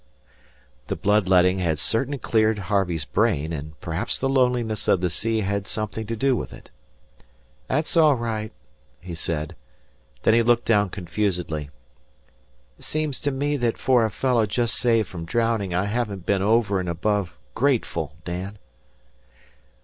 The bloodletting had certainly cleared Harvey's brain, and maybe the loneliness of the sea had something to do with it. "That's all right," he said. Then he looked down confusedly. "'Seems to me that for a fellow just saved from drowning I haven't been over and above grateful, Dan."